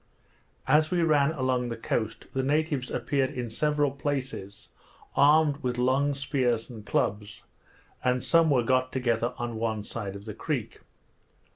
As we ran along the coast, the natives appeared in several places armed with long spears and clubs; and some were got together on one side of the creek.